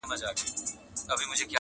o پښتنې سترګي دي و لیدې نرګسه,